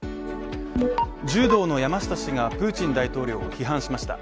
柔道の山下氏がプーチン大統領を批判しました。